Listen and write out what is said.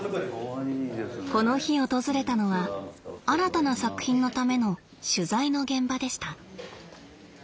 この日訪れたのは新たな作品のための取材の現場でした。